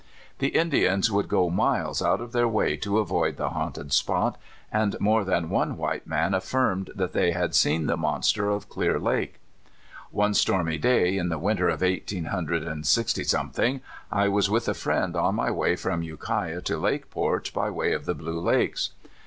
The Indians would go miles out of their way to avoid the haunted spot, and more than one white man affirmed that they had seen the Monster oi Clear Lake. One stormv day in the winter of eiirhteen Imn 132 The Blue Lakes. dred and sixty something, I was with a friend on my way from Ukiah. to Lakeport, by way of the Bkie Lakes.